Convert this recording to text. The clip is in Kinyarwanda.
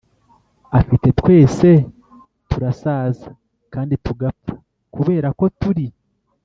afite Twese turasaza kandi tugapfa kubera ko turi